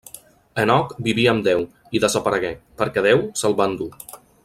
Henoc vivia amb Déu, i desaparegué, perquè Déu se'l va endur.